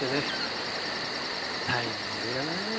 タイミングがな。